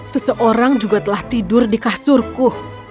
seseorang juga telah tidur di kasurku